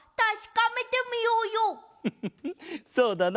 フフフそうだな。